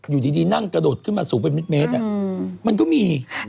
อยู่ดีนั่งกระโดดขึ้นมาสูงเป็นมิตรมันก็มี